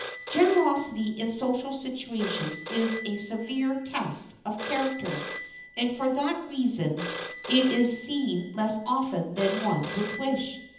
Generosity in social situations is a severe test of character and for that reason it is seen less often than one would wish.